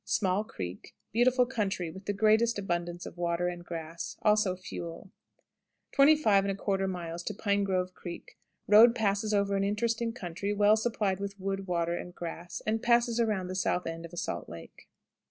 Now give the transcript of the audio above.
Small Creek. Beautiful country, with the greatest abundance of water and grass; also fuel. 25 1/4. Pine Grove Creek. Road passes over an interesting country, well supplied with wood, water, and grass, and passes around the south end of a salt lake.